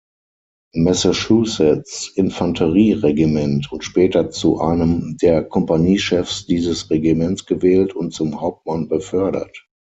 Massachusetts-Infanterie-Regiment und später zu einem der Kompaniechefs dieses Regiments gewählt und zum Hauptmann befördert.